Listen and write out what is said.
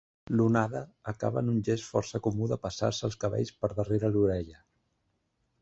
L'onada acaba en un gest força comú de passar-se els cabells per darrere l'orella.